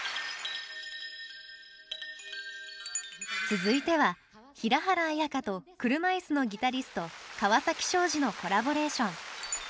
Ｉｌｏｖｅｙｏｕａｌｌ．続いては平原綾香と車いすのギタリスト川崎昭仁のコラボレーション。